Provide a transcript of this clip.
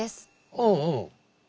うんうん。